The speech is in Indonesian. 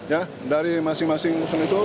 ya dari masing masing